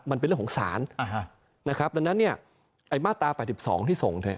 มันเป็นเรื่องของศาลนะครับดังนั้นเนี่ยไอ้มาตรา๘๒ที่ส่งเนี่ย